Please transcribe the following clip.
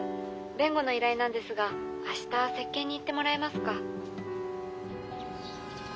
弁護の依頼なんですが明日接見に行ってもらえますか？